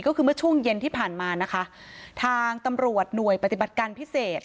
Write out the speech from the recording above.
ก็คือเมื่อช่วงเย็นที่ผ่านมานะคะทางตำรวจหน่วยปฏิบัติการพิเศษ